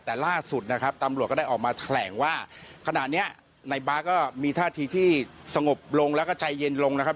แต่ล่าสุดนะครับตำรวจก็ได้ออกมาแถลงว่าขณะนี้ในบาร์ก็มีท่าทีที่สงบลงแล้วก็ใจเย็นลงนะครับ